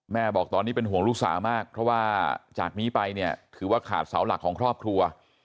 บอกตอนนี้เป็นห่วงลูกสาวมากเพราะว่าจากนี้ไปเนี่ยถือว่าขาดเสาหลักของครอบครัว